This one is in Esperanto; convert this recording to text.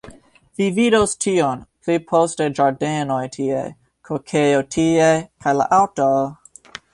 Vi vidos tion pli poste ĝardenoj tie, kokejo tie, kaj la aŭto...